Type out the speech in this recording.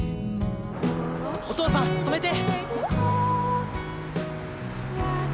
お父さん止めて！